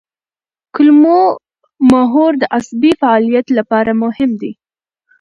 کولمو محور د عصبي فعالیت لپاره مهم دی.